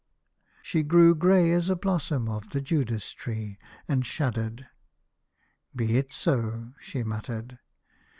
She grew grey as a blossom of the J udas tree, and shuddered. "Be it so," she muttered.